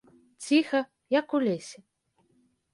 Ціха, як у лесе.